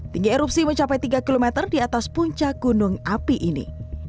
tinggi erupsi mencapai tiga km di atas puncak gunung api ini